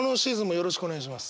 よろしくお願いします。